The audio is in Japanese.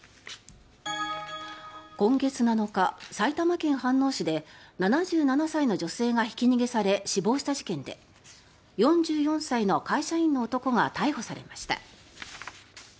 今月７日、埼玉県飯能市で７７歳の女性がひき逃げされ死亡した事件で４４歳の会社員の男が逮捕されました。